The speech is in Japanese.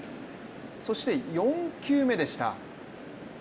そして４球目でした。